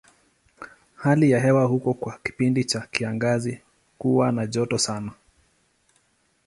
Hali ya hewa ya huko kwa kipindi cha kiangazi huwa na joto sana.